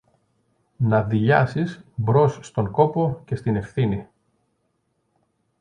να δειλιάσεις μπρος στον κόπο και στην ευθύνη